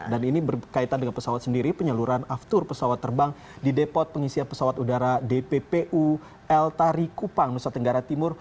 dan ini berkaitan dengan pesawat sendiri penyaluran aftur pesawat terbang di depot pengisian pesawat udara dppu el tari kupang nusa tenggara timur